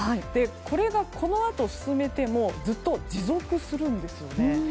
これが、このあと進めてもずっと持続するんですよね。